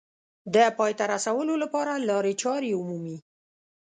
د پای ته رسولو لپاره لارې چارې ومومي